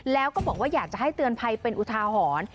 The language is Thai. แล้วก็บอกว่าอยากจะให้เตือนภัยเป็นอุทาหรณ์